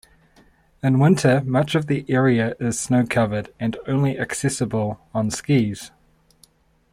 In winter much of the area is snow-covered and only accessible on skis.